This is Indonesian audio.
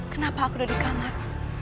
kenapa aku udah di kamar